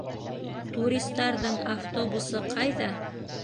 Туристарҙың автобусы ҡайҙа?